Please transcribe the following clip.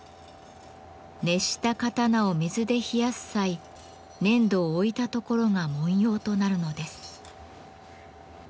熱した刀を水で冷やす際粘土を置いた所が文様となるのです。